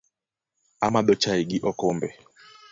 Amadho chai gi okombe